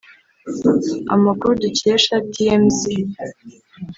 Amakuru dukesha tmz